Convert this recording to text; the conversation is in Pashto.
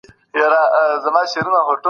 فشار تل د خوړو غوښتنه نه زیاتوي.